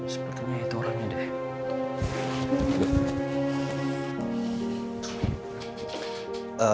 sepertinya itu orangnya de